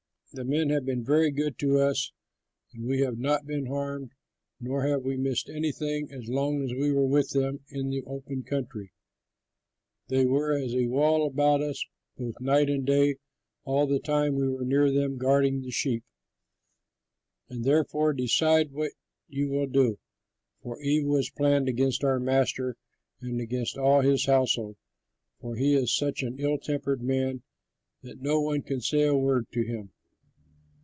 The men have been very good to us and we have not been harmed nor have we missed anything, as long as we were with them in the open country. They were as a wall about us both night and day all the time we were near them guarding the sheep. Now therefore decide what you will do, for evil is planned against our master and against all his household, for he is such an ill tempered man that no one can say a word to him."